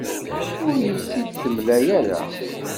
Ur iyi-tt-id-temla ara.